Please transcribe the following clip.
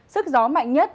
sức gió mạnh nhất